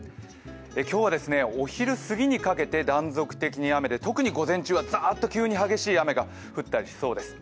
今日はお昼過ぎにかけて断続的に雨で特に午前中はザーッと激しい雨が降ったりしそうです。